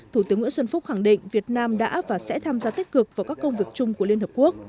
thủ tướng nguyễn xuân phúc khẳng định việt nam đã và sẽ tham gia tích cực vào các công việc chung của liên hợp quốc